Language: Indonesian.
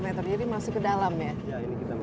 empat puluh km jadi masuk ke dalam ya